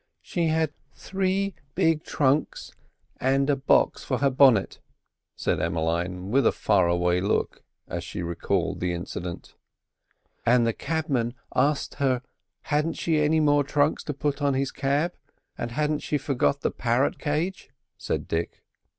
"She had three big trunks and a box for her bonnet," said Emmeline, with a far away look as she recalled the incident. "And the cabman asked her hadn't she any more trunks to put on his cab, and hadn't she forgot the parrot cage," said Dick.